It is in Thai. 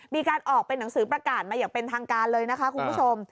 มีการออกเป็นหนังสือประกาศมาอย่างเป็นทางการเลยนะคะคุณผู้ชม